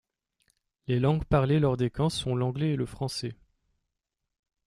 Les langues parlées lors des camps sont l'anglais et le français.